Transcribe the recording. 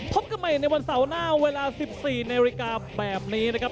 พบกันใหม่ในวันเสาร์หน้าเวลา๑๔นาฬิกาแบบนี้นะครับ